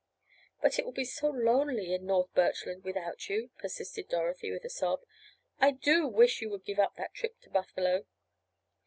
"But it will be so lonely in North Birchland without you," persisted Dorothy, with a sob. "I do wish you would give up that trip to Buffalo."